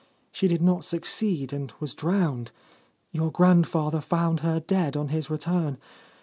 She did not succeed, and was drowned. Your grandfather found her dead on his return.